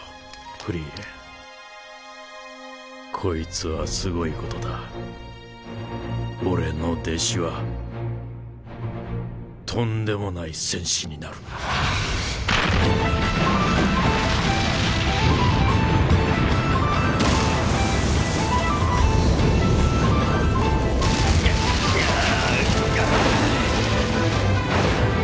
フリーレンこいつはすごいことだ俺の弟子はとんでもない戦士になるうぐぅ！